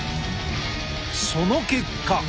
その結果。